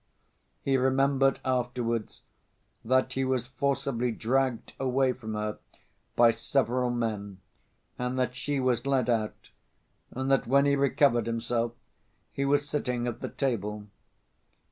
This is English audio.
He remembered afterwards that he was forcibly dragged away from her by several men, and that she was led out, and that when he recovered himself he was sitting at the table.